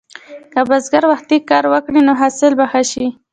که بزګر وختي کر وکړي، نو حاصل به ښه شي.